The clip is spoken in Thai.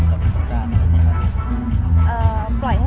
แม็กซ์ก็คือหนักที่สุดในชีวิตเลยจริง